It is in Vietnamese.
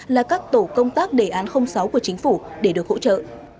là các tổ công tác đề án sáu của chính phủ để được hỗ trợ